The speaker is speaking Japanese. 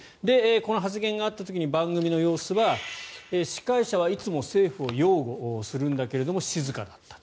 この発言があった時に番組の様子は司会者はいつも政府を擁護するんだけど静かだった。